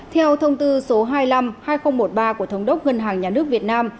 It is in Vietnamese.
theo thông tư số hai mươi năm hai nghìn một mươi ba của thống đốc ngân hàng nhà nước việt nam